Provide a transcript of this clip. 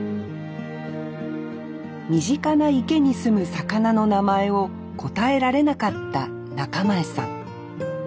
身近な池に住む魚の名前を答えられなかった中前さん。